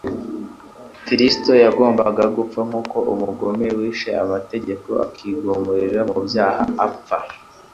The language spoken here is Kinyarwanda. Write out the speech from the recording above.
Kristo yagombaga gupfa nk'uko umugome wishe amategeko akigumira mu byaha apfa.